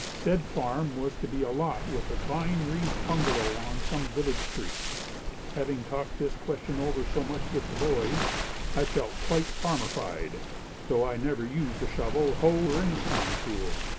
Said farm was to be a lot with a vine wreathed bungalow on some village street. Having talked this question over so much with the boys, I felt quite farmerfied, though I had never used shovel, hoe or any farm tool.